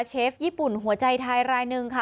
เชฟญี่ปุ่นหัวใจไทยรายหนึ่งค่ะ